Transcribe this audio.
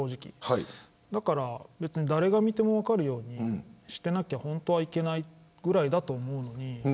だから誰が見ても分かるようにしていないと本当はいけないぐらいだと思う。